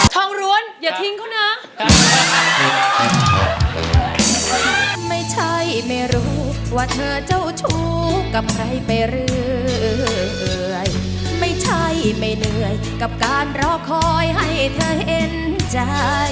ร้วนอย่าทิ้งเขานะ